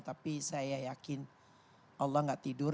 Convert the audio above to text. tapi saya yakin allah gak tidur